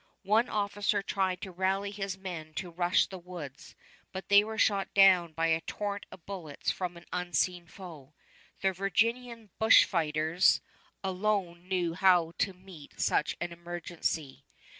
One officer tried to rally his men to rush the woods, but they were shot down by a torrent of bullets from an unseen foe. The Virginian bushfighters alone knew how to meet such an emergency.